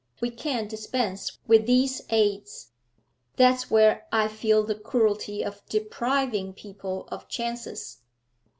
We can't dispense with these aids; that's where I feel the cruelty of depriving people of chances.